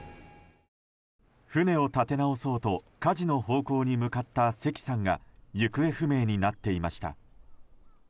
船を立て直そうとかじの方向に向かった関さんが行方不明になっていました。